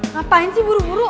ngapain sih buru buru